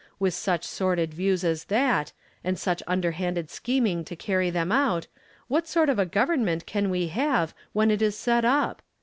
With such sordid views as that, and such underhanded scheming to carry them out, what sort of a government can we have when it is set up